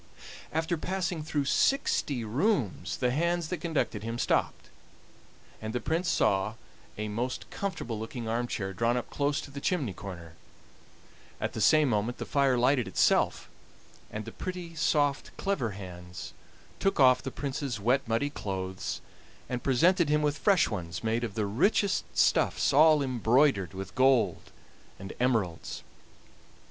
After passing through sixty rooms the hands that conducted him stopped, and the Prince saw a most comfortable looking arm chair drawn up close to the chimney corner; at the same moment the fire lighted itself, and the pretty, soft, clever hands took off the Prince's wet, muddy clothes, and presented him with fresh ones made of the richest stuffs, all embroidered with gold and emeralds.